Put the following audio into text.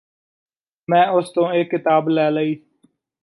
ਮੈਂ ਉਸ ਤੋਂ ਇਹ ਕਿਤਾਬ ਲੈ ਲਈ